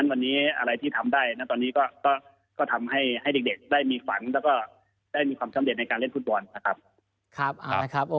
วันนี้อะไรที่ทำได้เราทำให้เด็กได้มีฝันและตำแหน่งในการเล่นฟุตบอล